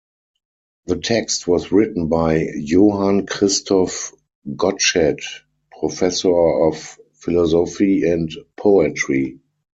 The text was written by Johann Christoph Gottsched, professor of philosophy and poetry.